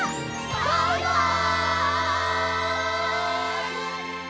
バイバイ！